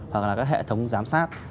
hoặc là các hệ thống giám sát